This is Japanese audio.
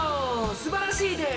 すばらしいです！